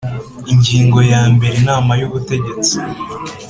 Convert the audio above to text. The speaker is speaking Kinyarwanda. Ingingo ya mbere Inama y ubutegetsi